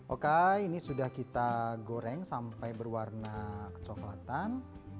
oke ini sudah kita goreng sampai berwarna kecoklatan